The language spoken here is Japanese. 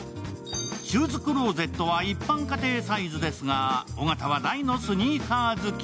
シューズクローゼットは一般家庭サイズですが、尾形は大のスニーカー好き。